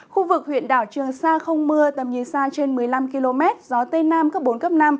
khu vực huyện đảo trường sa không mưa tầm nhìn xa trên một mươi năm km gió tây nam cấp bốn cấp năm